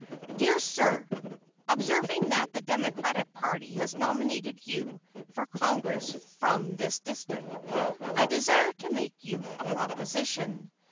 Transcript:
DEAR SIR: Observing that the democratic party has nominated you for Congress from this district, I desire to make you a proposition.